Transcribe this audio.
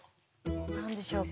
何でしょうか？